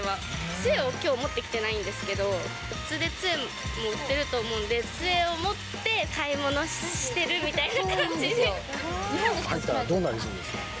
つえをきょう持ってきてないんですけど、つえも売ってると思うんで、つえを持って買い物してるみたい入ったらどうなりそうですか？